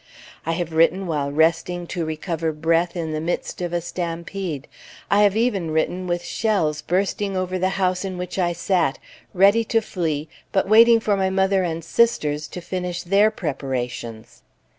I have written while resting to recover breath in the midst of a stampede; I have even written with shells bursting over the house in which I sat, ready to flee but waiting for my mother and sisters to finish their preparations."